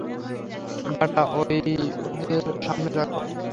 বাটা ঐ ওঁদের সামনে রাখো।